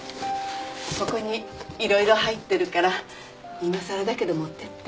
ここに色々入ってるからいまさらだけど持ってって。